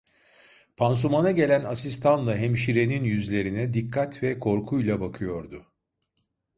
Pansumana gelen asistanla hemşirenin yüzlerine dikkat ve korkuyla bakıyordu.